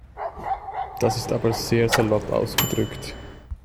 Das ist aber sehr salopp ausgedrückt.